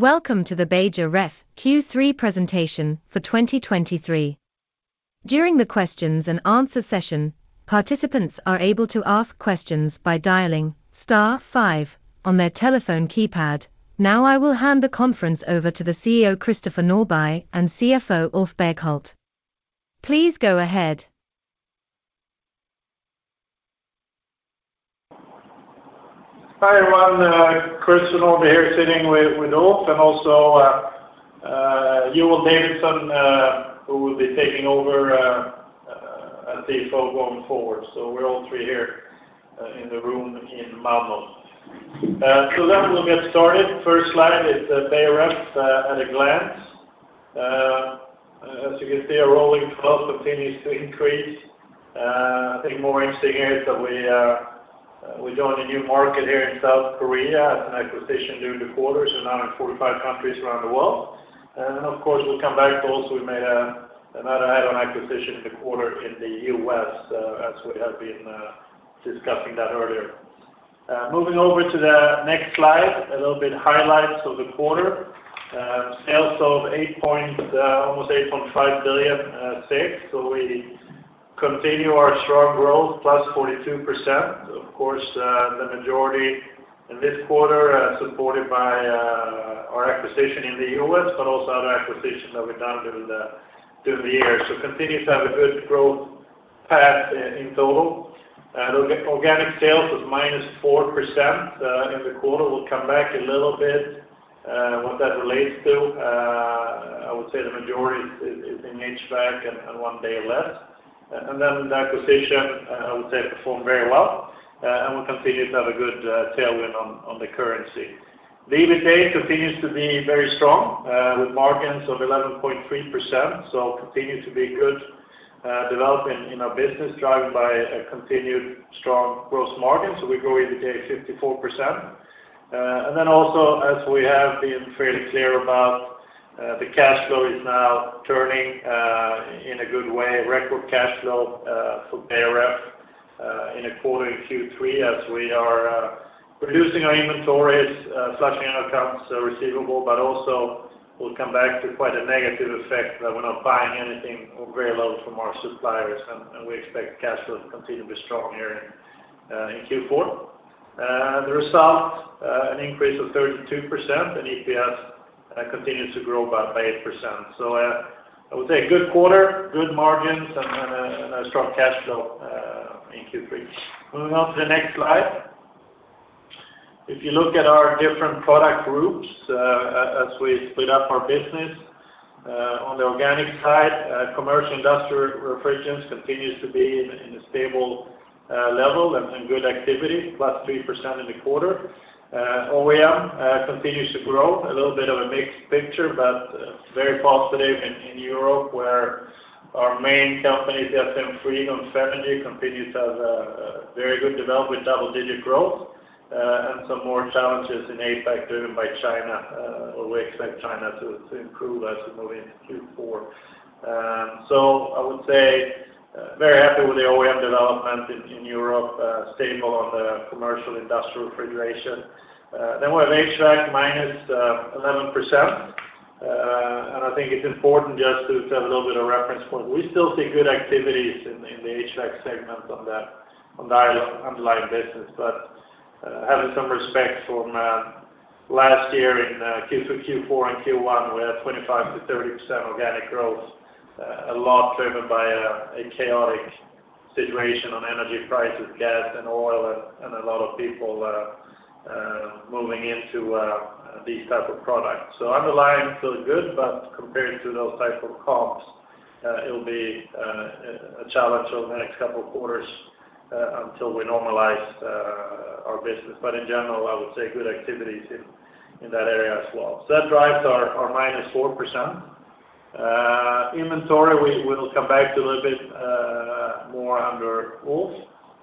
Welcome to the Beijer Ref Q3 presentation for 2023. During the questions and answer session, participants are able to ask questions by dialing star five on their telephone keypad. Now, I will hand the conference over to the CEO, Christopher Norbye, and CFO, Ulf Berghult. Please go ahead. Hi, everyone. Christopher Norbye here, sitting with Ulf and also Joel Davidsson, who will be taking over as CFO going forward. So we're all three here in the room in Malmö. So then we'll get started. First slide is the Beijer Ref at a glance. As you can see, our rolling twelve continues to increase. I think more interesting here is that we joined a new market here in South Korea as an acquisition during the quarter, so now in 45 countries around the world. And then, of course, we'll come back to also we made another add-on acquisition in the quarter in the US, as we have been discussing that earlier. Moving over to the next slide, a little bit highlights of the quarter. Sales of almost 8.5 billion. So we continue our strong growth, +42%. Of course, the majority in this quarter are supported by our acquisition in the US, but also other acquisitions that we've done during the year. So continues to have a good growth path in total. The organic sales was -4% in the quarter. We'll come back a little bit what that relates to. I would say the majority is in HVAC and one day less. And then the acquisition, I would say, performed very well, and we'll continue to have a good tailwind on the currency. The EBITDA continues to be very strong, with margins of 11.3%, so continue to be good development in our business, driven by a continued strong gross margin. So we grow EBITDA 54%. And then also, as we have been fairly clear about, the cash flow is now turning in a good way. Record cash flow for Beijer Ref in a quarter in Q3 as we are reducing our inventories, flushing out accounts receivable, but also we'll come back to quite a negative effect, that we're not buying anything or very little from our suppliers, and we expect cash flow to continue to be strong here in Q4. The result, an increase of 32%, and EPS continues to grow by 8%. So, I would say a good quarter, good margins, and a strong cash flow in Q3. Moving on to the next slide. If you look at our different product groups, as we split up our business, on the organic side, commercial industrial refrigeration continues to be in a stable level and good activity, +3% in the quarter. OEM continues to grow. A little bit of a mixed picture, but very positive in Europe, where our main company, SCM Frigo, continues to have a very good development, double-digit growth, and some more challenges in APAC, driven by China, but we expect China to improve as we move into Q4. So I would say, very happy with the OEM development in, in Europe, stable on the commercial industrial refrigeration. Then we have HVAC, -11%. And I think it's important just to have a little bit of reference point. We still see good activities in the, in the HVAC segment on the, on the underlying business, but, having some respect from, last year in, Q4, Q4 and Q1, where 25%-30% organic growth, a lot driven by a, a chaotic situation on energy prices, gas and oil, and, and a lot of people, moving into, these type of products. So underlying, still good, but compared to those type of comps, it'll be, a challenge over the next couple of quarters, until we normalize, our business. But in general, I would say good activities in, in that area as well. So that drives our -4%. Inventory, we'll come back to a little bit more under Ulf.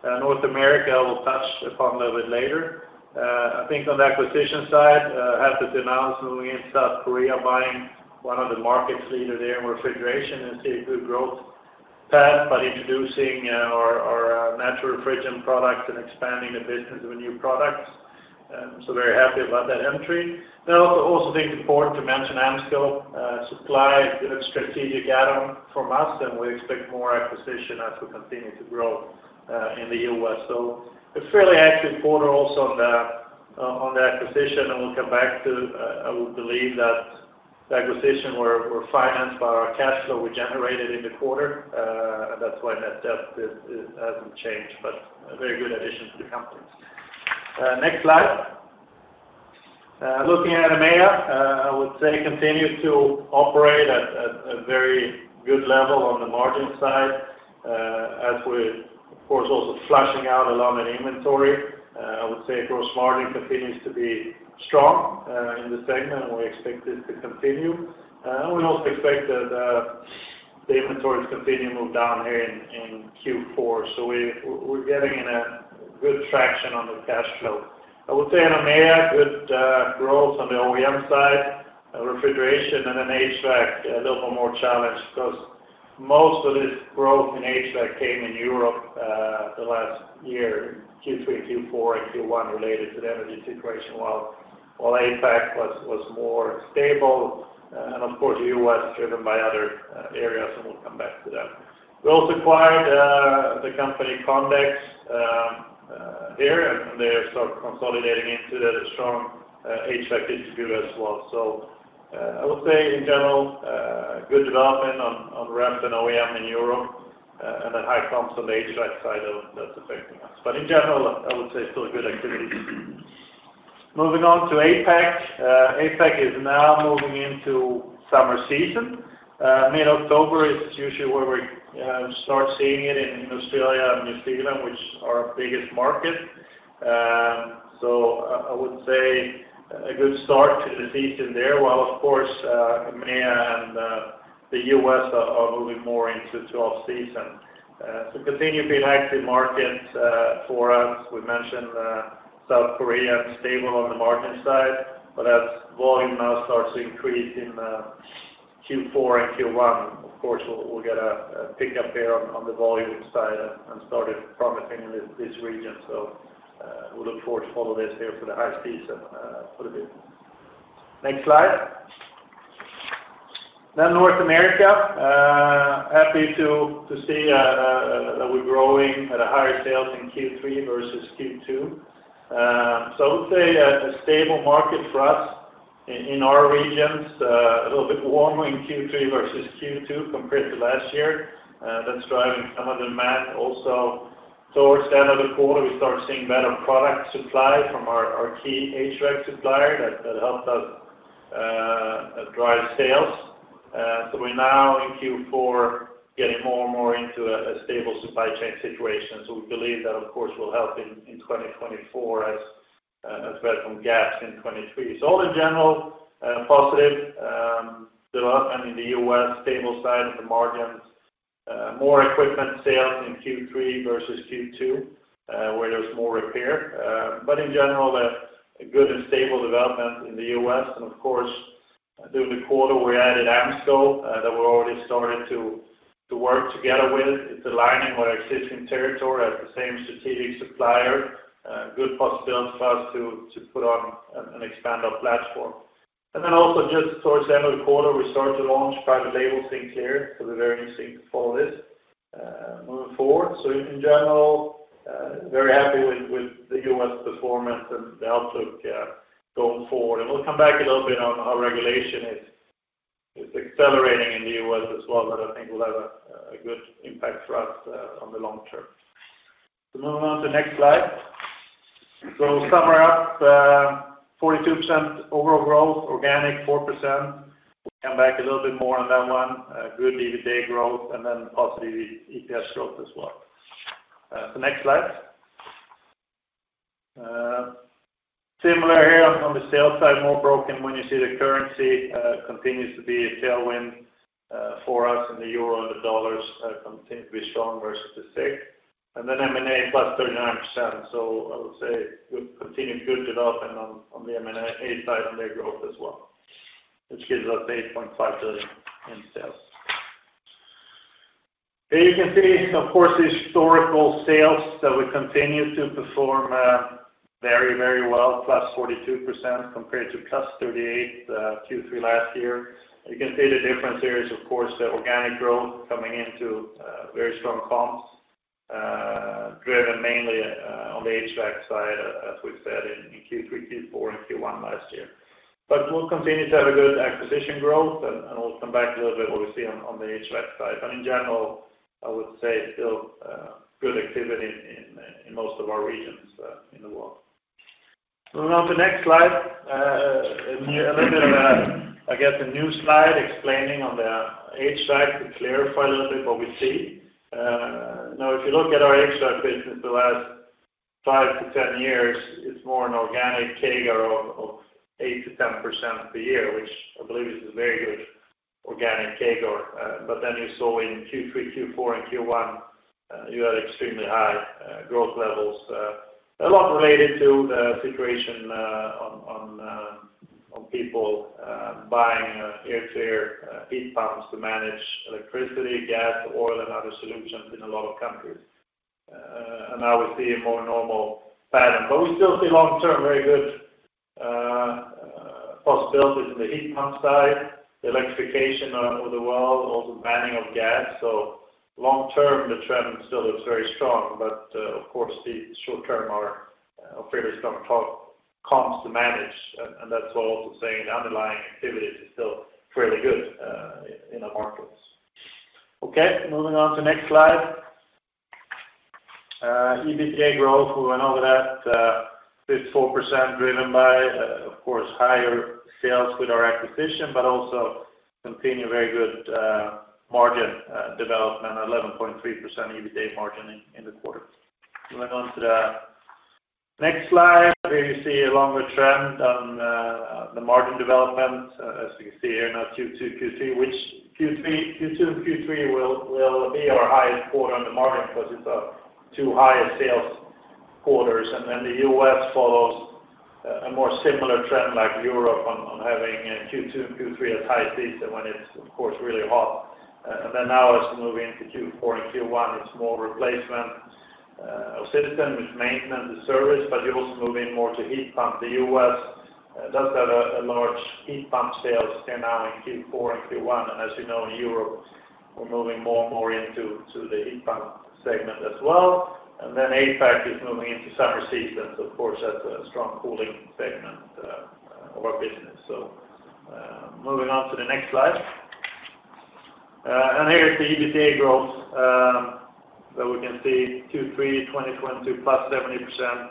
North America, we'll touch upon a little bit later. I think on the acquisition side, happy to announce moving into South Korea, buying one of the market leader there in refrigeration, and see a good growth path by introducing our natural refrigerant products and expanding the business with new products. So very happy about that entry. Then also think it's important to mention AMSCO Supply, a strategic add-on from us, and we expect more acquisitions as we continue to grow in the US. So a fairly active quarter also on the acquisition, and we'll come back to. I would believe that the acquisition were financed by our cash flow we generated in the quarter. That's why net debt hasn't changed, but a very good addition to the company. Next slide. Looking at EMEA, I would say continues to operate at a very good level on the margin side, as we're, of course, also flushing out a lot of inventory. I would say gross margin continues to be strong in the segment, and we expect this to continue. And we also expect that the inventories continue to move down here in Q4. So we're getting in a good traction on the cash flow. I would say in EMEA, good growth on the OEM side, refrigeration, and then HVAC, a little more challenged because most of this growth in HVAC came in Europe, the last year, Q3, Q4, and Q1 related to the energy situation, while APAC was more stable. And of course, U.S. driven by other areas, and we'll come back to that. We also acquired the company Condex here, and they're sort of consolidating into that a strong HVAC distributor as well. So I would say in general good development on Ref and OEM in Europe, and then high comps on the HVAC side of that's affecting us. But in general, I would say still a good activity. Moving on to APAC. APAC is now moving into summer season. Mid-October is usually where we start seeing it in Australia and New Zealand, which are our biggest market. So I would say a good start to the season there, while of course, EMEA and the US are moving more into off season. So continue to be an active market for us. We mentioned South Korea stable on the margin side, but as volume now starts to increase in Q4 and Q1, of course, we'll get a pickup here on the volume side and started promising in this region. So we look forward to follow this here for the high season for the business. Next slide. Then North America, happy to see that we're growing at a higher sales in Q3 versus Q2. So I would say a stable market for us in our regions, a little bit warmer in Q3 versus Q2 compared to last year. That's driving some of the math also. Towards the end of the quarter, we start seeing better product supply from our key HVAC supplier that helped us drive sales. So we're now in Q4, getting more and more into a stable supply chain situation. So we believe that, of course, will help in 2024 as well from Q3 in 2023. So all in general, positive development in the US, stable side of the margins, more equipment sales in Q3 versus Q2, where there's more repair. But in general, a good and stable development in the US. Of course, during the quarter, we added AMSCO, that we're already started to work together with. It's aligning with our existing territory as the same strategic supplier, good possibilities for us to put on and expand our platform. And then also just towards the end of the quarter, we start to launch private label things here, so we're very interesting to follow this, moving forward. So in general, very happy with the U.S. performance and the outlook, going forward. And we'll come back a little bit on how regulation is accelerating in the U.S. as well, but I think will have a good impact for us, on the long term. So moving on to the next slide. So to sum it up, 42% overall growth, organic 4%. We'll come back a little bit more on that one, a good EBITDA growth, and then positive EPS growth as well. The next slide. Similar here on the sales side, more broken when you see the currency continues to be a tailwind for us, and the euro and the dollars continue to be strong versus the SEK. And then M&A, +39%. So I would say, we continue good development on, on the M&A side and their growth as well, which gives us 8.5 billion in sales. Here you can see, of course, the historical sales that we continue to perform very, very well, +42% compared to +38% Q3 last year. You can see the difference here is, of course, the organic growth coming into very strong comps, driven mainly on the HVAC side, as we said in Q3, Q4, and Q1 last year. But we'll continue to have a good acquisition growth, and we'll come back a little bit what we see on the HVAC side. But in general, I would say still good activity in most of our regions in the world. Moving on to the next slide, a little bit of, I guess, a new slide explaining on the HVAC to clarify a little bit what we see. Now, if you look at our HVAC business the last five to 10 years, it's more an organic CAGR of 8%-10% per year, which I believe is a very good organic CAGR. But then you saw in Q3, Q4, and Q1, you had extremely high growth levels, a lot related to the situation on people buying air to air heat pumps to manage electricity, gas, oil, and other solutions in a lot of countries. And now we see a more normal pattern. But we still see long term, very good possibilities in the heat pump side, the electrification of the world, also banning of gas. So long term, the trend still looks very strong, but of course, the short term are a fairly strong comps to manage, and that's why also saying the underlying activities is still fairly good in the markets. Okay, moving on to next slide. EBITDA growth, we went over that, 54%, driven by, of course, higher sales with our acquisition, but also continue very good margin development, 11.3% EBITDA margin in the quarter. Moving on to the next slide, here you see a longer trend on the margin development. As you can see here, now Q2, Q3, Q2 and Q3 will be our highest quarter on the margin because it's our two highest sales quarters, and then the US follows a more similar trend like Europe on having a Q2 and Q3, a high season when it's, of course, really hot. And then now it's moving into Q4 and Q1, it's more replacement of system with maintenance and service, but you're also moving more to heat pump. The U.S. does have a large heat pump sales there now in Q4 and Q1, and as you know, in Europe, we're moving more and more into the heat pump segment as well. And then APAC is moving into summer season, so of course, that's a strong cooling segment of our business. So, moving on to the next slide. And here is the EBITDA growth that we can see Q3 2022 +70%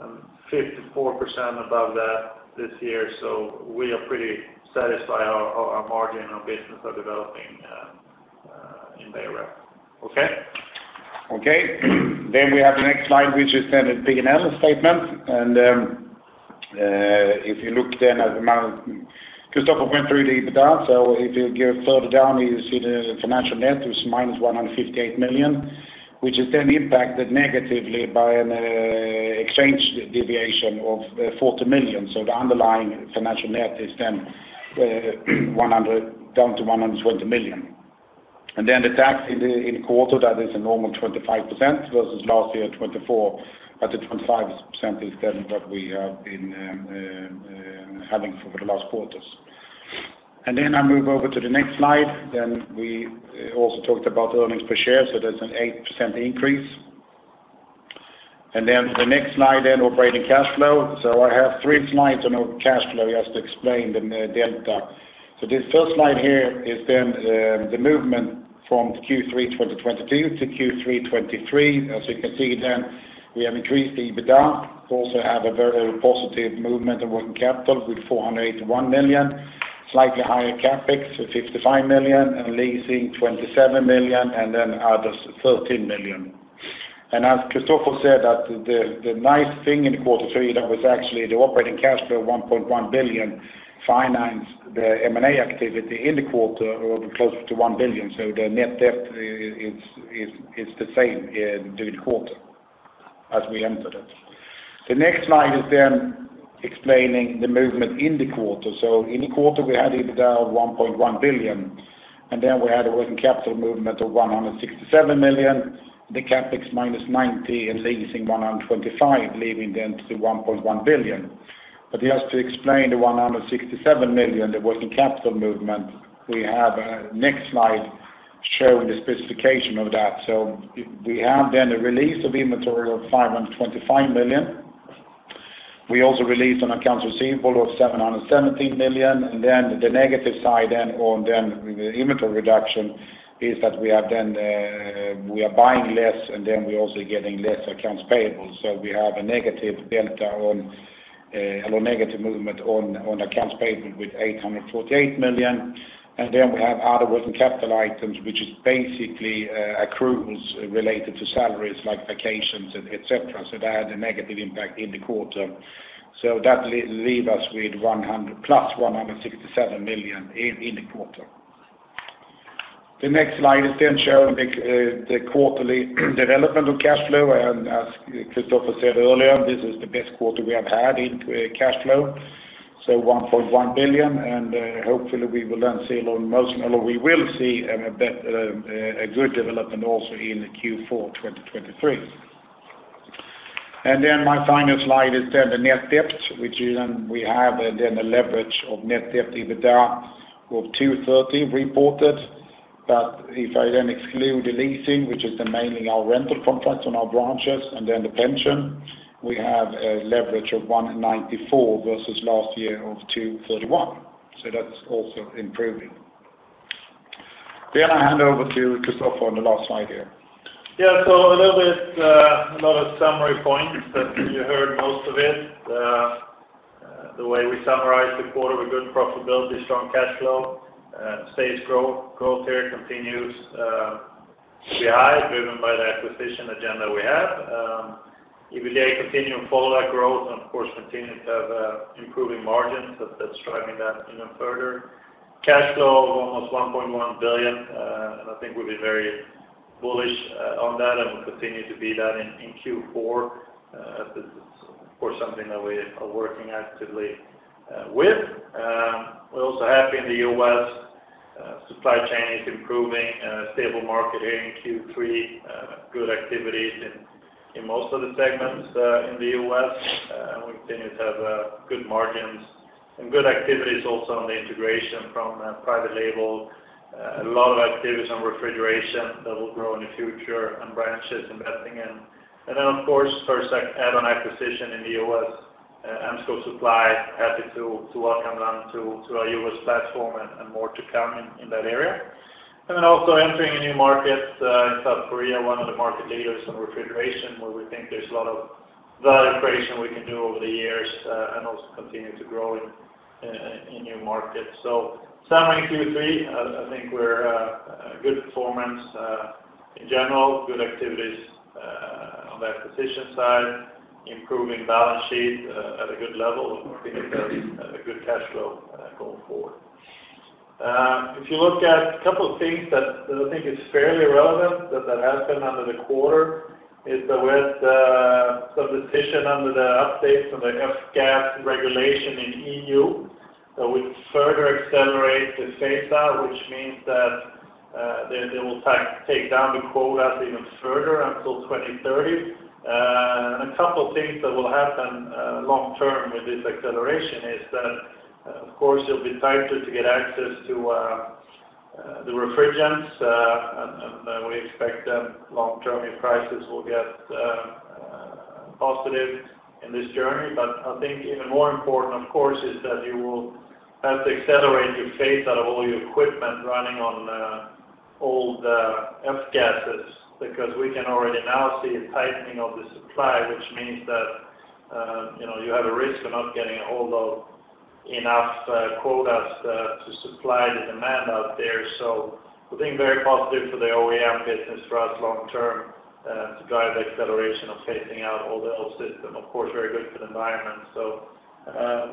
and 54% above that this year. So we are pretty satisfied. Our margin, our business are developing in there well. Okay? Okay. Then we have the next slide, which is then a P&L statement. And if you look then at the amount—Christopher went through the EBITDA, so if you go further down, you see the financial net, which is -158 million, which is then impacted negatively by an exchange deviation of 40 million. So the underlying financial net is then 100 down to 120 million. And then the tax in the quarter, that is a normal 25% versus last year 24%, but the 25% is then what we have been having for the last quarters. And then I move over to the next slide. Then we also talked about earnings per share, so there's an 8% increase. And then to the next slide, then operating cash flow. So I have three slides on our cash flow, just to explain the delta. So this first slide here is then the movement from Q3 2022 to Q3 2023. As you can see then, we have increased the EBITDA, also have a very positive movement of working capital with 481 million, slightly higher CapEx, so 55 million, and leasing 27 million, and then others, 13 million. And as Christopher said, that the nice thing in quarter three, that was actually the operating cash flow, 1.1 billion, financed the M&A activity in the quarter or closer to 1 billion. So the net debt is the same in the quarter as we entered it. The next slide is then explaining the movement in the quarter. So in the quarter, we had EBITDA of 1.1 billion, and then we had a working capital movement of 167 million, the CapEx -90, and leasing 125, leaving then to the 1.1 billion. But just to explain the 167 million, the working capital movement, we have a next slide showing the specification of that. So we have then a release of inventory of 525 million. We also released on accounts receivable of 717 million, and then the negative side then on then the inventory reduction is that we have then, we are buying less, and then we're also getting less accounts payable. So we have a negative delta on or negative movement on, on accounts payable with 848 million. And then we have other working capital items, which is basically, accruals related to salaries, like vacations and et cetera. So that had a negative impact in the quarter. So that leave us with 100 million plus 167 million in the quarter. The next slide is then showing the quarterly development of cash flow, and as Christopher said earlier, this is the best quarter we have had in cash flow, so 1.1 billion, and hopefully, we will then see a little more, or we will see a good development also in the Q4 2023. And then my final slide is then the net debt, which is then we have then the leverage of net debt, EBITDA of 2.3 reported. But if I then exclude the leasing, which is mainly our rental contracts on our branches, and then the pension, we have a leverage of 1.94 versus last year of 2.31. So that's also improving. Then I hand over to Christopher on the last slide here. Yeah. So a little bit, a lot of summary points, but you heard most of it. The way we summarize the quarter with good profitability, strong cash flow, strong growth. Growth here continues to be high, driven by the acquisition agenda we have. EBITDA continues to follow that growth, and of course, continues to have improving margins, so that's driving that even further. Cash flow of almost 1.1 billion, and I think we'll be very bullish on that, and we'll continue to be that in Q4. This is of course something that we are working actively with. We're also happy in the U.S., supply chain is improving, stable market in Q3, good activities in most of the segments, in the U.S., and we continue to have good margins and good activities also on the integration from private label, a lot of activities on refrigeration that will grow in the future, and branches investing in. And then, of course, first add-on acquisition in the U.S., AMSCO Supply, happy to welcome them to our U.S. platform and more to come in that area. And then also entering a new market in South Korea, one of the market leaders in refrigeration, where we think there's a lot of value creation we can do over the years and also continue to grow in new markets. So summary Q3, I think we're a good performance in general, good activities on the acquisition side, improving balance sheet at a good level, and we think a good cash flow going forward. If you look at a couple of things that I think is fairly relevant, that happened under the quarter, is that with some decision under the updates on the F-gas regulation in EU, which further accelerates the phase out, which means that they will take down the quotas even further until 2030. And a couple of things that will happen long term with this acceleration is that, of course, it'll be tighter to get access to the refrigerants, and we expect them long-term prices will get positive in this journey. But I think even more important, of course, is that you will have to accelerate your phase out of all your equipment running on old F-gases. Because we can already now see a tightening of the supply, which means that you know you have a risk of not getting a hold of enough quotas to supply the demand out there. So we're being very positive for the OEM business for us long term to drive the acceleration of phasing out all the old system. Of course, very good for the environment. So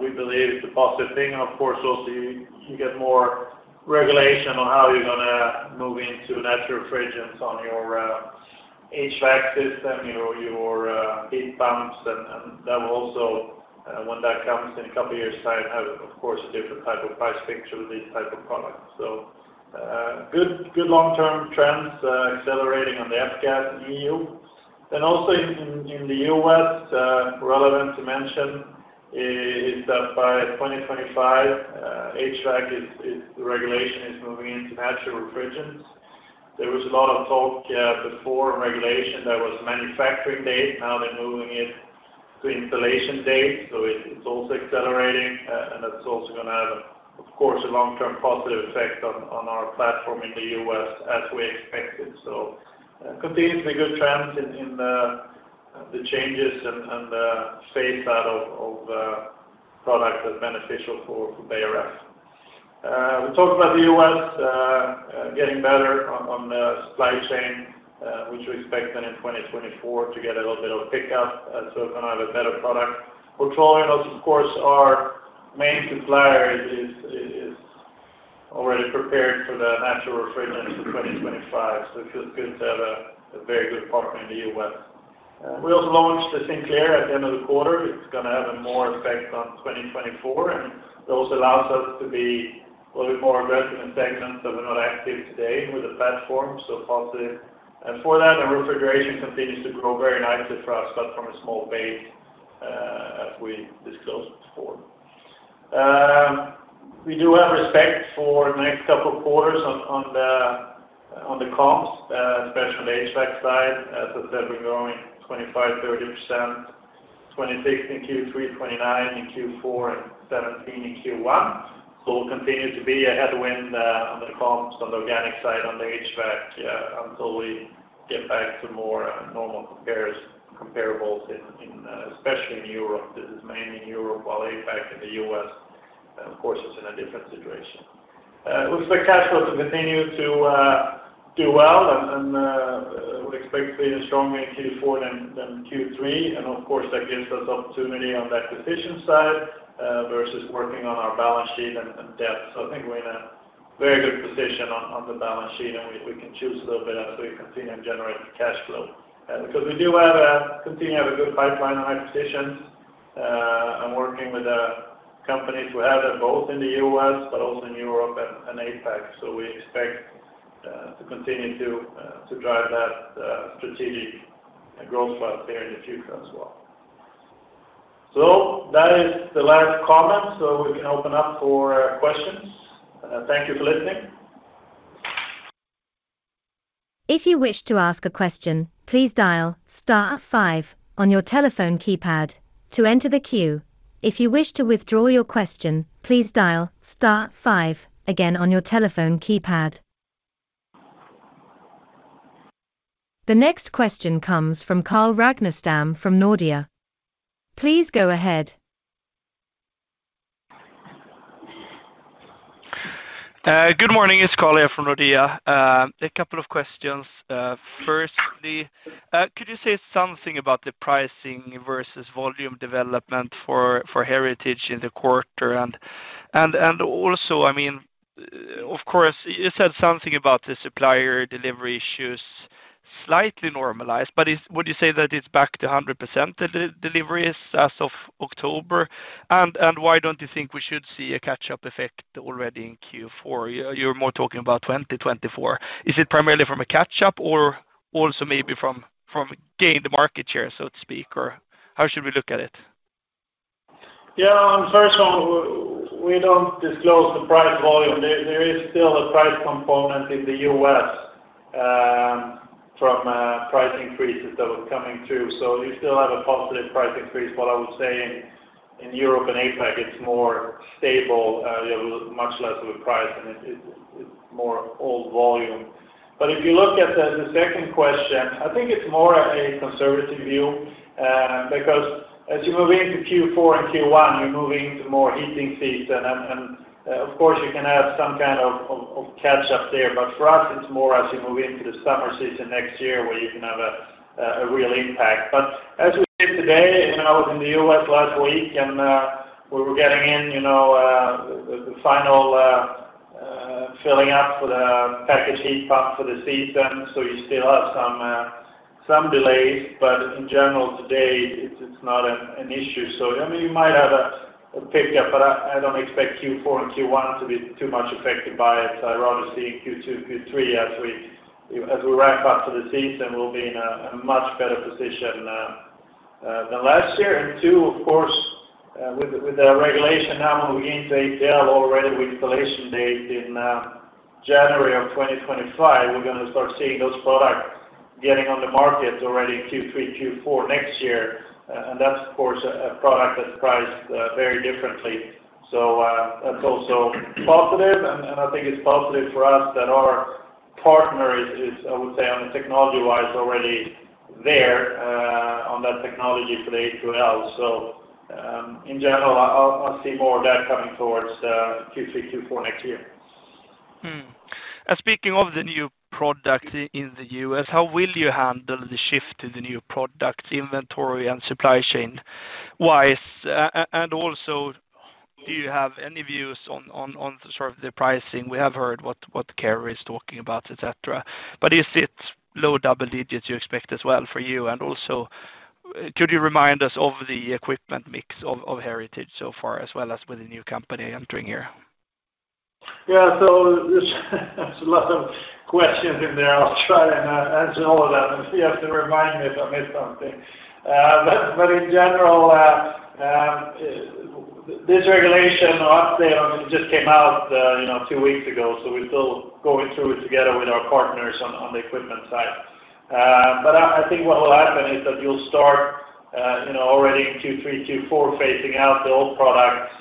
we believe it's a positive thing, and of course, also you get more regulation on how you're gonna move into natural refrigerants on your HVAC system, you know, your heat pumps. That will also, when that comes in a couple of years time, have, of course, a different type of price picture with these type of products. So, good long-term trends, accelerating on the F-gas in EU. Then also in the US, relevant to mention is that by 2025, HVAC the regulation is moving into natural refrigerants. There was a lot of talk before regulation that was manufacturing date, now they're moving it to installation date, so it's also accelerating, and that's also gonna have, of course, a long-term positive effect on our platform in the US, as we expected. So continuously good trends in the changes and phase out of products that's beneficial for Beijer Ref. We talked about the US getting better on the supply chain, which we expect then in 2024 to get a little bit of a pickup, so we're gonna have a better product. of course, our main supplier is already prepared for the natural refrigerants in 2025, so it feels good to have a very good partner in the US. We also launched the Sinclair at the end of the quarter. It's gonna have a more effect on 2024, and it also allows us to be a little bit more aggressive in segments that we're not active today with the platform, so positive. And for that, our refrigeration continues to grow very nicely for us, but from a small base, as we disclosed before. We do have respect for the next couple of quarters on the comps, especially on the HVAC side. As I said, we're growing 25%-30%, 26% in Q3, 29% in Q4, and 17% in Q1. So we'll continue to be a headwind on the comps, on the organic side, on the HVAC, until we get back to more normal comparables in especially in Europe. This is mainly in Europe, while APAC in the US, of course, is in a different situation. We expect cash flow to continue to do well, and we expect to be stronger in Q4 than Q3. And of course, that gives us opportunity on the acquisition side versus working on our balance sheet and debt. So I think we're in a very good position on the balance sheet, and we can choose a little bit as we continue to generate cash flow. Because we do have a continue to have a good pipeline on acquisitions, and working with companies who have them, both in the U.S. but also in Europe and APAC. So we expect to continue to drive that strategic growth path there in the future as well. So that is the last comment, so we can open up for questions. Thank you for listening. If you wish to ask a question, please dial star five on your telephone keypad to enter the queue. If you wish to withdraw your question, please dial star five again on your telephone keypad. The next question comes from Carl Ragnerstam from Nordea. Please go ahead. Good morning, it's Carl here from Nordea. A couple of questions. Firstly, could you say something about the pricing versus volume development for Heritage in the quarter? And also, I mean, of course, you said something about the supplier delivery issues slightly normalized, but would you say that it's back to 100%, the deliveries as of October? And why don't you think we should see a catch-up effect already in Q4? You're more talking about 2024. Is it primarily from a catch-up or also maybe from gaining the market share, so to speak, or how should we look at it? Yeah. On first one, we don't disclose the price volume. There is still a price component in the U.S., from price increases that were coming through. So you still have a positive price increase. What I would say in Europe and APAC, it's more stable, you have much less of a price, and it's more all volume. But if you look at the second question, I think it's more a conservative view, because as you move into Q4 and Q1, you're moving into more heating season. And, of course, you can have some kind of catch-up there, but for us, it's more as you move into the summer season next year, where you can have a real impact. But as we see today, and I was in the U.S. last week, and we were getting in, you know, the final filling up for the package heat pump for the season. So you still have some delays, but in general, today, it's not an issue. So, I mean, you might have a pickup, but I don't expect Q4 and Q1 to be too much affected by it. I'd rather see Q2, Q3 as we ramp up to the season; we'll be in a much better position than last year. And too, of course, with the regulation now moving into A2L already with installation date in January of 2025, we're gonna start seeing those products getting on the markets already in Q3, Q4 next year. And that's of course a product that's priced very differently. So that's also positive, and I think it's positive for us that our partner is, I would say, on the technology-wise, already there on that technology for the A2L. So in general, I'll see more of that coming towards Q3, Q4 next year. And speaking of the new product in the US, how will you handle the shift to the new product, inventory, and supply chain-wise? And also, do you have any views on sort of the pricing? We have heard what Carrier is talking about, et cetera. But is it low double digits you expect as well for you? And also, could you remind us of the equipment mix of Heritage so far, as well as with the new company entering here? Yeah. So there's a lot of questions in there. I'll try and answer all of them. You have to remind me if I miss something. But in general, this regulation or update, it just came out, you know, two weeks ago, so we're still going through it together with our partners on the equipment side. But I think what will happen is that you'll start, you know, already in Q3, Q4, phasing out the old products,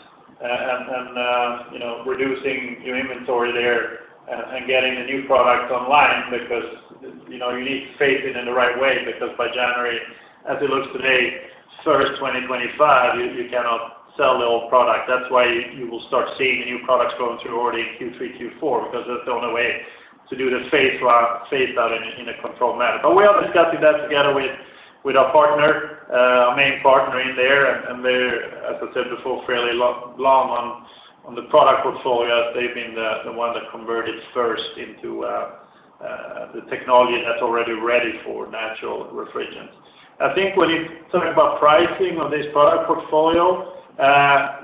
and you know, reducing your inventory there, and getting the new product online. Because, you know, you need to phase it in the right way, because by January, 2025, you cannot sell the old product. That's why you will start seeing the new products going through already in Q3, Q4, because that's the only way to do the phase out in a controlled manner. But we are discussing that together with our partner, our main partner in there, and they're, as I said before, fairly long on the product portfolio as they've been the one that converted first into the technology that's already ready for natural refrigerants. I think when you talk about pricing on this product portfolio,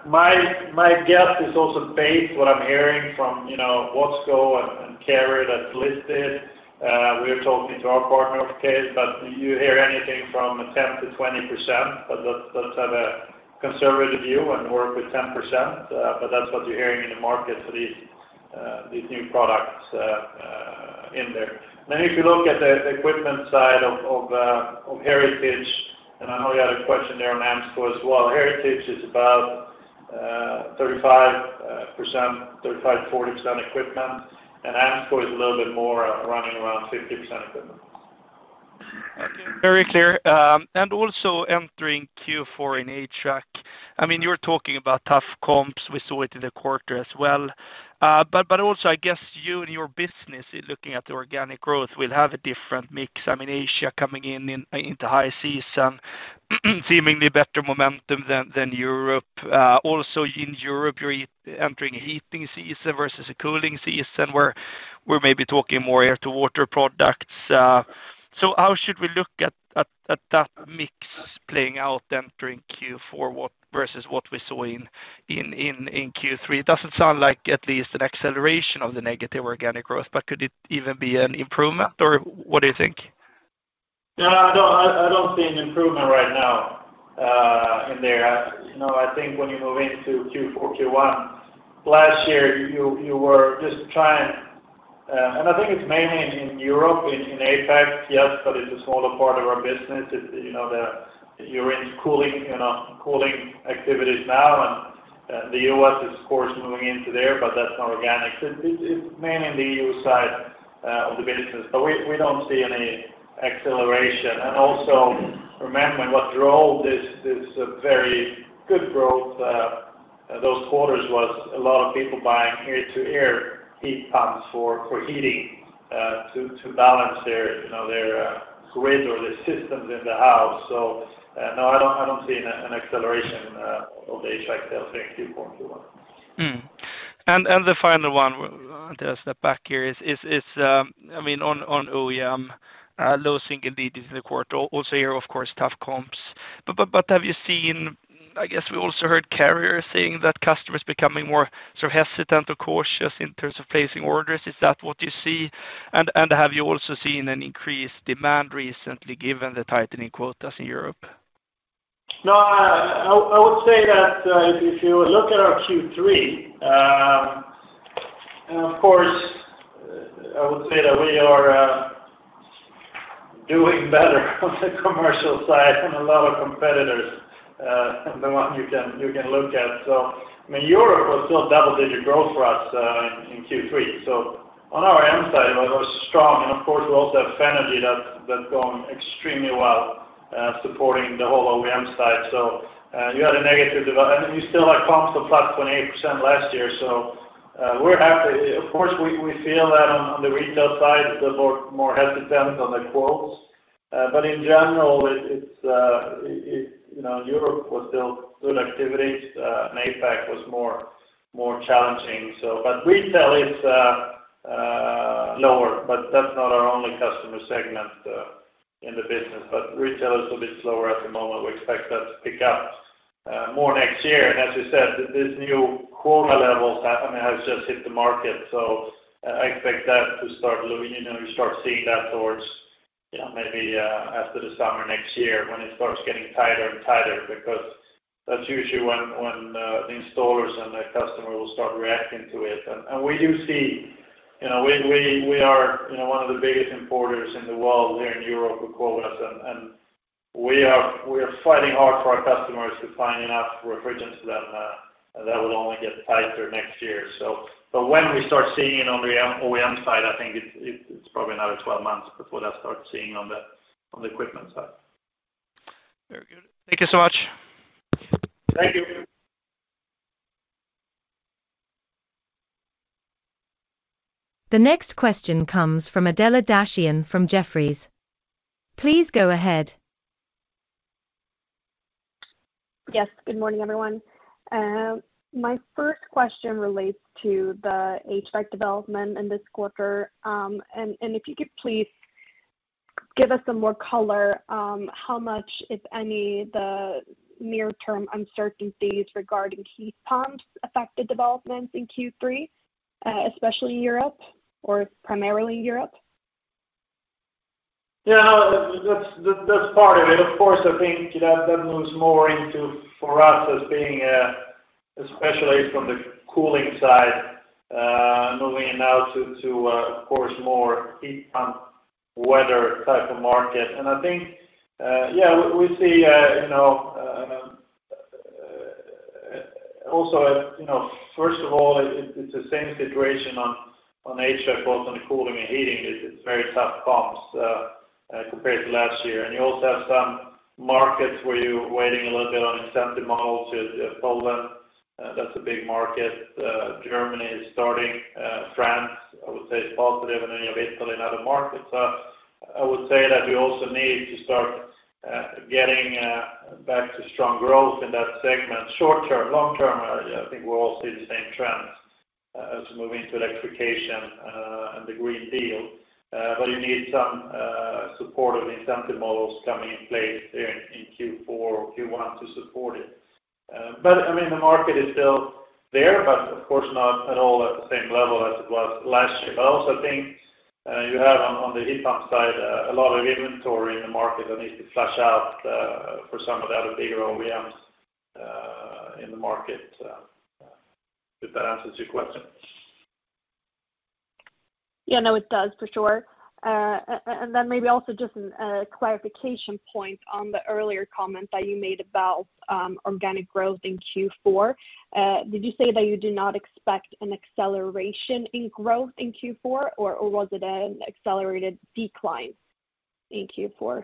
my guess is also based what I'm hearing from, you know, Watsco and Carrier that's listed. We're talking to our partner, of course, but you hear anything from 10%-20%, but let's have a conservative view and work with 10%. That's what you're hearing in the market for these, these new products in there. If you look at the equipment side of Heritage, and I know you had a question there on AMSCO as well. Heritage is about 35%, 35-40% equipment, and AMSCO is a little bit more, running around 50% equipment. Okay, very clear. Also entering Q4 in HVAC. I mean, you're talking about tough comps. We saw it in the quarter as well. But also, I guess you and your business, in looking at the organic growth, will have a different mix. I mean, Asia coming into high season, seemingly better momentum than Europe. Also in Europe, you're entering heating season versus a cooling season, where we're maybe talking more air-to-water products. So how should we look at that mix playing out then during Q4, what versus what we saw in Q3? It doesn't sound like at least an acceleration of the negative organic growth, but could it even be an improvement, or what do you think? No, I don't see an improvement right now in there. You know, I think when you move into Q4, Q1 last year, you were just trying. And I think it's mainly in Europe, in APAC. Yes, but it's a smaller part of our business. It, you know, you're in cooling, you know, cooling activities now, and the US is of course moving into there, but that's not organic. So it's mainly in the US side of the business, but we don't see any acceleration. And also, remember, what drove this very good growth those quarters was a lot of people buying air-to-air heat pumps for heating to balance their, you know, their grid or the systems in the house. So, no, I don't see an acceleration of the HVAC sales in Q4, Q1. Hmm. And the final one to step back here is, I mean, on OEM, low single digits in the quarter. Also, here, of course, tough comps. But have you seen? I guess we also heard Carrier saying that customers becoming more so hesitant or cautious in terms of placing orders. Is that what you see? And have you also seen an increased demand recently, given the tightening quotas in Europe? No, I would say that if you look at our Q3, and of course, I would say that we are doing better on the commercial side than a lot of competitors than the one you can look at. So, I mean, Europe was still double-digit growth for us in Q3. So on our end side, it was strong, and of course, we also have energy that's going extremely well supporting the whole OEM side. So you still had comps of flat 28% last year. So, we're happy. Of course, we feel that on the retail side, they're more hesitant on the quotes. But in general, it's, you know, Europe was still good activities and APAC was more challenging. But retail is lower, but that's not our only customer segment in the business. But retail is a bit slower at the moment. We expect that to pick up more next year. And as you said, this new quota level, I mean, has just hit the market, so I expect that to start moving. You know, you start seeing that towards, you know, maybe after the summer next year when it starts getting tighter and tighter, because that's usually when the installers and the customer will start reacting to it. We do see, you know, we are, you know, one of the biggest importers in the world here in Europe with quotas, and we are fighting hard for our customers to find enough refrigerants to them, and that will only get tighter next year. So, but when we start seeing it on the OEM side, I think it's probably another 12 months before that starts seeing on the equipment side. Very good. Thank you so much. Thank you. The next question comes from Adela Dashian from Jefferies. Please go ahead. Yes. Good morning, everyone. My first question relates to the HVAC development in this quarter. And if you could please give us some more color, how much, if any, the near-term uncertainties regarding heat pumps affect the developments in Q3, especially in Europe or primarily in Europe? Yeah, that's part of it. Of course, I think that moves more into for us as being, especially from the cooling side, moving now to, of course, more heat pump weather type of market. And I think, we see, you know, also, you know, first of all, it's the same situation on HVAC, both on the cooling and heating. It's very tough comps compared to last year. And you also have some markets where you're waiting a little bit on incentive models in Poland, that's a big market. Germany is starting, France, I would say, is positive, and then you have Italy and other markets. I would say that we also need to start getting back to strong growth in that segment short term. Long term, I think we all see the same trends, as we move into electrification, and the Green Deal, but you need some support of incentive models coming in place in Q4 or Q1 to support it. But I mean, the market is still there, but of course, not at all at the same level as it was last year. I also think you have on the heat pump side a lot of inventory in the market that needs to flush out for some of the other bigger OEMs in the market. If that answers your question. Yeah, no, it does, for sure. And then maybe also just a clarification point on the earlier comment that you made about organic growth in Q4. Did you say that you do not expect an acceleration in growth in Q4, or was it an accelerated decline in Q4?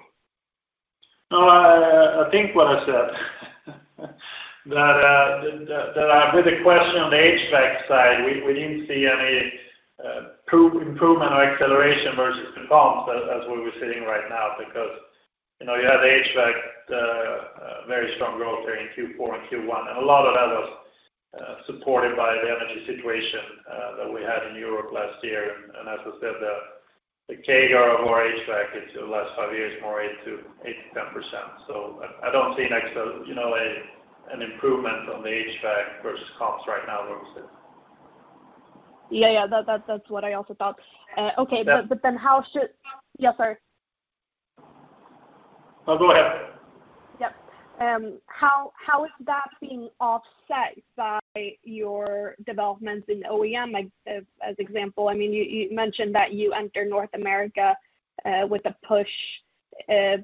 No, I think what I said, that with the question on the HVAC side, we didn't see any improvement or acceleration versus comps as we were sitting right now, because, you know, you have the HVAC very strong growth there in Q4 and Q1, and a lot of that was supported by the energy situation that we had in Europe last year. And as I said, the CAGR of our HVAC [over] the last five years more 8%-10%. So I don't see, you know, an improvement on the HVAC versus comps right now, where we sit. Yeah, yeah, that's what I also thought. Okay. Yeah. But then how should. Yeah, sorry. No, go ahead. Yep. How is that being offset by your developments in OEM? Like, as example, I mean, you mentioned that you entered North America with a push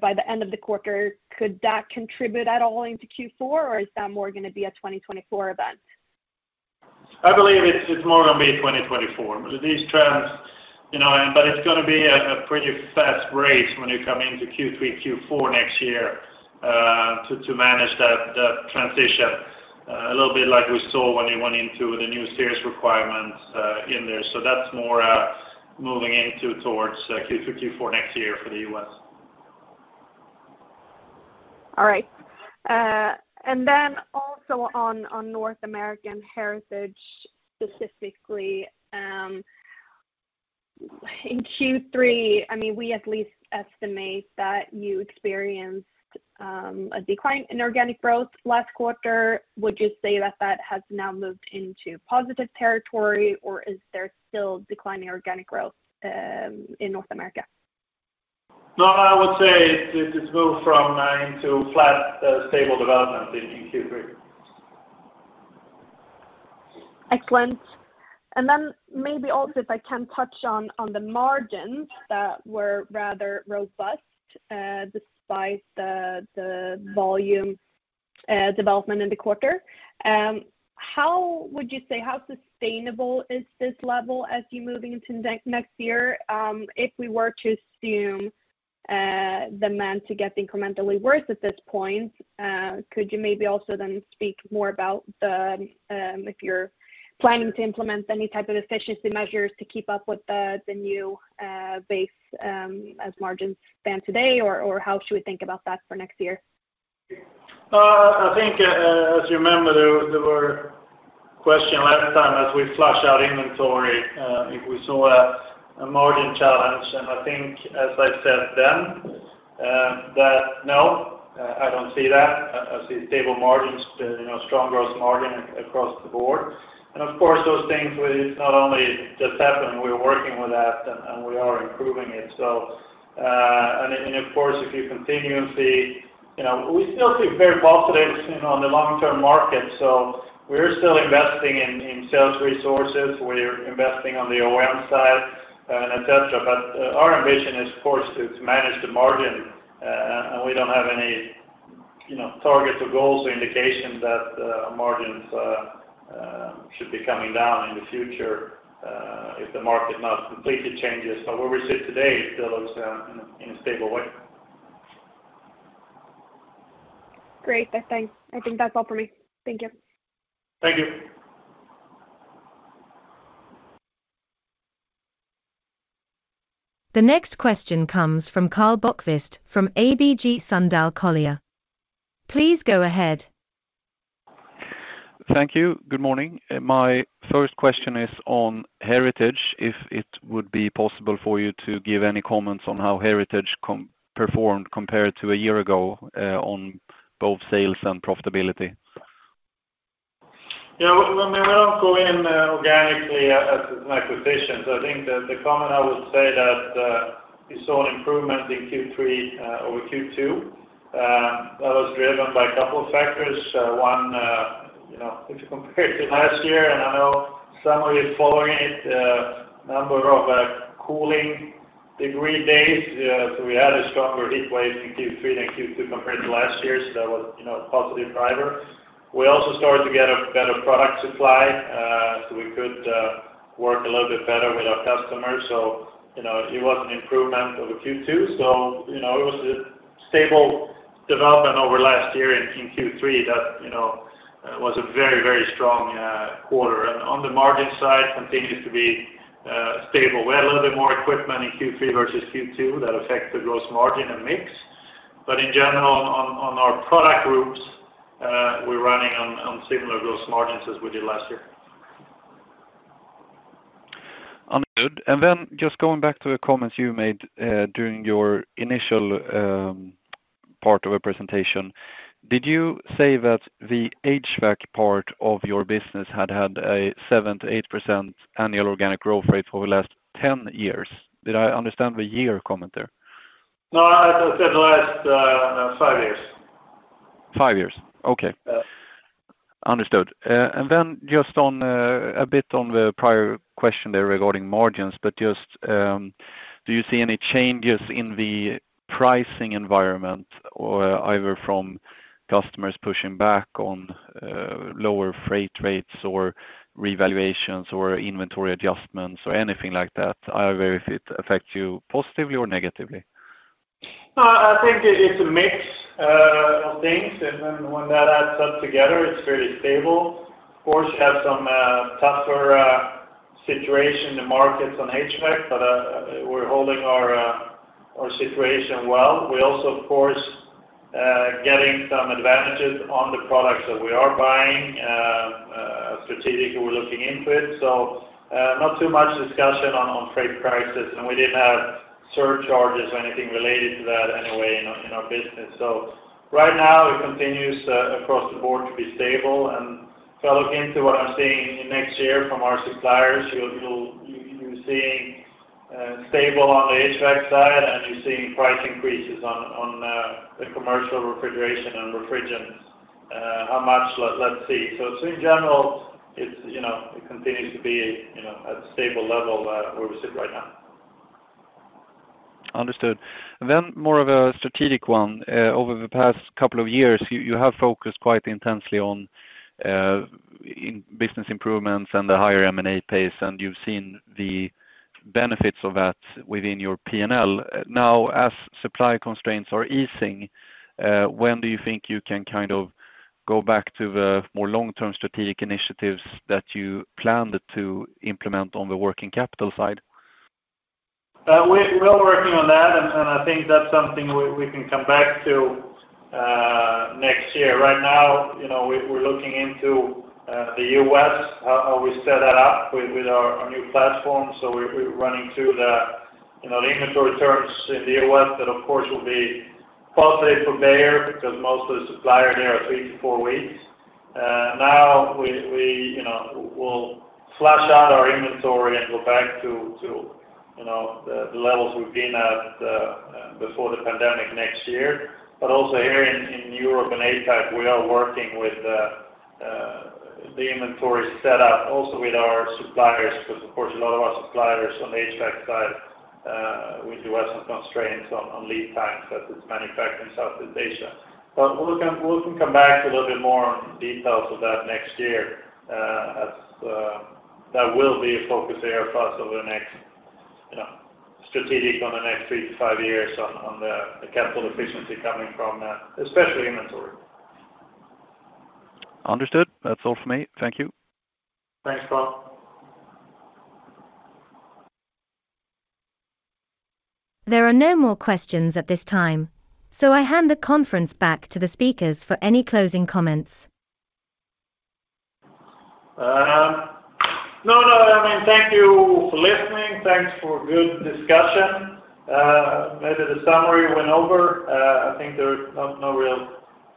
by the end of the quarter. Could that contribute at all into Q4, or is that more gonna be a 2024 event? I believe it's more gonna be 2024. These trends, you know, and but it's gonna be a pretty fast race when you come into Q3, Q4 next year, to manage that transition, a little bit like we saw when we went into the new SEER requirements, in there. So that's more moving into towards Q3, Q4 next year for the U.S. All right. And then also on, on North American Heritage, specifically, in Q3, I mean, we at least estimate that you experienced a decline in organic growth last quarter. Would you say that that has now moved into positive territory, or is there still declining organic growth in North America? No, I would say it, it's moved from 9 to flat, stable development in Q3. Excellent. And then maybe also, if I can touch on the margins that were rather robust, despite the volume development in the quarter. How would you say, how sustainable is this level as you're moving into next, next year? If we were to assume demand to get incrementally worse at this point, could you maybe also then speak more about if you're planning to implement any type of efficiency measures to keep up with the new base, as margins stand today, or, or how should we think about that for next year? I think, as you remember, there, there were questions last time as we flush out inventory, if we saw a, a margin challenge, and I think as I said then, that no, I don't see that. I see stable margins, you know, strong growth margins across the board. And of course, those things will not only just happen, we're working with that, and we are improving it. So, and of course, if you continue and see, you know, we still see very positive, you know, on the long-term market. So we're still investing in sales resources, we're investing on the OEM side, and et cetera. But, our ambition is, of course, to manage the margin, and we don't have any, you know, targets or goals or indications that margins should be coming down in the future, if the market not completely changes. But where we sit today, it still looks in a stable way. Great! I think, I think that's all for me. Thank you. Thank you. The next question comes from Karl Bokvist from ABG Sundal Collier. Please go ahead. Thank you. Good morning. My first question is on Heritage. If it would be possible for you to give any comments on how Heritage performed compared to a year ago, on both sales and profitability? Yeah, well, when we now go in organically as an acquisition, so I think the comment I would say that we saw an improvement in Q3 over Q2. That was driven by a couple of factors. One, you know, if you compare it to last year, and I know some of you following it, number of cooling degree days. So we had a stronger heat wave in Q3 than Q2 compared to last year, so that was, you know, a positive driver. We also started to get a better product supply, so we could work a little bit better with our customers. So, you know, it was an improvement over Q2, so, you know, it was a stable development over last year in Q3 that, you know, was a very, very strong quarter. And on the margin side, continues to be stable. We had a little bit more equipment in Q3 versus Q2 that affect the gross margin and mix. But in general, on our product groups, we're running on similar gross margins as we did last year. Understood. And then just going back to the comments you made during your initial part of a presentation. Did you say that the HVAC part of your business had had a 7%-8% annual organic growth rate for the last 10 years? Did I understand the year comment there? No, I said the last five years. Five years? Okay. Yeah. Understood. And then just on a bit on the prior question there regarding margins, but just do you see any changes in the pricing environment or either from customers pushing back on lower freight rates or revaluations, or inventory adjustments, or anything like that? Either if it affect you positively or negatively. No, I think it, it's a mix of things, and then when that adds up together, it's very stable. Of course, you have some tougher situation in the markets on HVAC, but, we're holding our our situation well. We also, of course, getting some advantages on the products that we are buying, strategically, we're looking into it. So, not too much discussion on freight prices, and we didn't have surcharges or anything related to that anyway in our business. So right now, it continues across the board to be stable. And if I look into what I'm seeing next year from our suppliers, you're seeing stable on the HVAC side, and you're seeing price increases on the commercial refrigeration and refrigerants. How much? Let's see. In general, it's, you know, it continues to be, you know, at a stable level where we sit right now. Understood. Then more of a strategic one. Over the past couple of years, you, you have focused quite intensely on, in business improvements and the higher M&A pace, and you've seen the benefits of that within your P&L. Now, as supply constraints are easing, when do you think you can kind of go back to the more long-term strategic initiatives that you planned to implement on the working capital side? We are working on that, and I think that's something we can come back to next year. Right now, you know, we're looking into the US, how we set that up with our new platform. So we're running through the, you know, the inventory terms in the US, that, of course, will be positive for Beijer because most of the suppliers there are 3-4 weeks. Now we, you know, we'll flush out our inventory and go back to, you know, the levels we've been at before the pandemic next year. But also here in Europe and APAC, we are working with the inventory set up, also with our suppliers, because, of course, a lot of our suppliers on the HVAC side, we do have some constraints on lead times as it's manufactured in Southeast Asia. But we'll come back to a little bit more on details of that next year. As that will be a focus area for us over the next, you know, strategic on the next 3-5 years on the capital efficiency coming from, especially inventory. Understood. That's all for me. Thank you. Thanks, Karl. There are no more questions at this time, so I hand the conference back to the speakers for any closing comments. No, no, I mean, thank you for listening. Thanks for good discussion. Maybe the summary went over. I think there are no, no real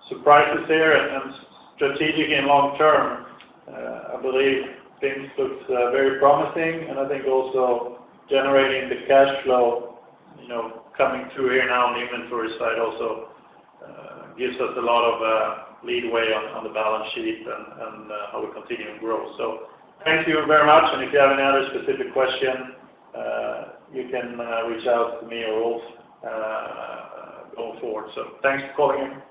surprises here, and then strategically and long term, I believe things looks very promising, and I think also generating the cash flow, you know, coming through here now on the inventory side also gives us a lot of leeway on, on the balance sheet and, and how we continue to grow. So thank you very much, and if you have any other specific question, you can reach out to me or Ulf going forward. So thanks for calling in.